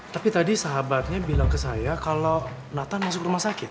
tapi tadi sahabatnya bilang ke saya kalau nata masuk rumah sakit